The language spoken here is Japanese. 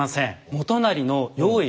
元就の用意